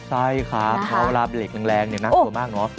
ใช่ครับเพราะเวลาเปลี่ยนแรงเนี่ยน่าสวยมากเนอะ